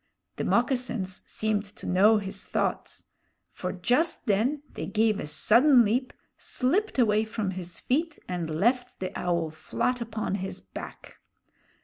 The moccasins seemed to know his thoughts; for just then they gave a sudden leap, slipped away from his feet, and left the Owl flat upon his back!